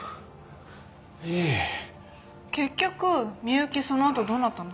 結局美由紀そのあとどうなったの？